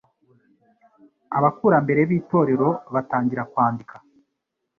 Abakurambere b'itorero batangira kwandika